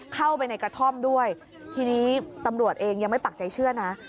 เข้าไปในกระท่อมด้วยทีนี้ตำรวจเองยังไม่ปักใจเชื่อนะ